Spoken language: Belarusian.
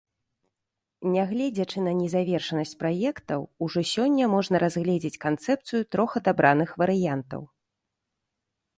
Нягледзячы на незавершанасць праектаў, ужо сёння можна разгледзець канцэпцыю трох адабраных варыянтаў.